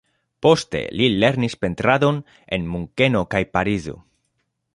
Poste li lernis pentradon en Munkeno kaj Parizo.